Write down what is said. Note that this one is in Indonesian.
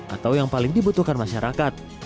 atau yang paling dibutuhkan masyarakat